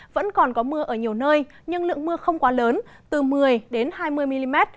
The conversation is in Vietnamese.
vẫn còn có mưa ở nhiều nơi nhưng lượng mưa không quá lớn từ một mươi hai mươi mm